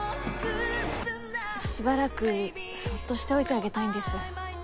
しばらくそっとしておいてあげたいんです。